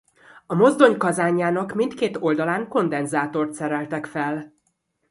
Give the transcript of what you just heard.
A mozdony kazánjának mindkét oldalán kondenzátort szereltek fel.